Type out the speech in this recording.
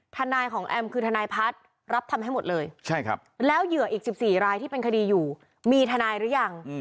ทนายของแอมคือทนายพัฒน์รับทำให้หมดเลยแล้วเหยื่ออีก๑๔รายที่เป็นคดีอยู่มีทนายหรือยัง